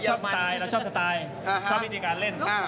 เราระบายเราชอบสไตล์ชอบในที่การเล่น